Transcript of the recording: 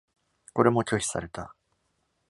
これも拒否された。